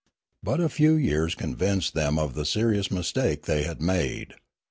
But a few years convinced them of the serious mistake they had made.